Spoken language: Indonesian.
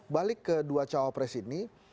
balik ke dua cawa pres ini